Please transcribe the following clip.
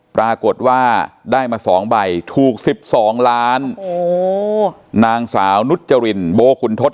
ปรากฏว่าได้มา๒ใบถูก๑๒ล้านนางสาวนุจจรินโบคุณทศ